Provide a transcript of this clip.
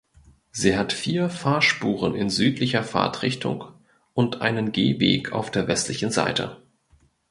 Sie hat vier Fahrspuren in südlicher Fahrtrichtung und einen Gehweg auf der westlichen Seite.